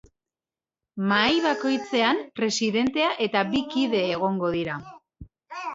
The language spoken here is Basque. Mahai bakoitzean presidentea eta bi kide egongo dira.